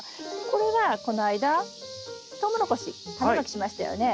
これはこの間トウモロコシタネまきしましたよね。